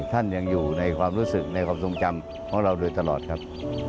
ท่านยังอยู่ในความรู้สึกในความทรงจำของเราโดยตลอดครับ